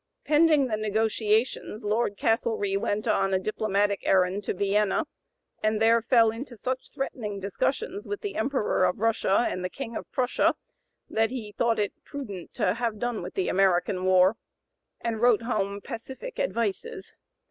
Pending the negotiations Lord Castlereagh went on a diplomatic errand to Vienna, and there fell into such threatening discussions with the Emperor of Russia and the King of Prussia, that he thought it prudent to have done with the American (p. 094) war, and wrote home pacific advices.